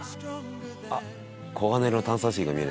「あっ黄金色の炭酸水が見えるな」